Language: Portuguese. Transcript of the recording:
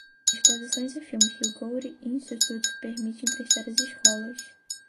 Exposições e filmes que o Goethe-Institut permite emprestar às escolas.